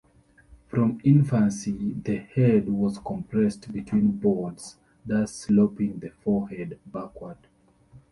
From infancy the head was compressed between boards, thus sloping the forehead backward.